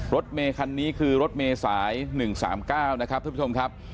รถเมคันนี้คือรถเมษาย๑๓๙นะครับท่านผู้ชมครับ